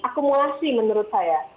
akumulasi menurut saya